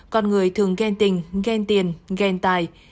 con người thường ghen tình ghen tiền ghen tài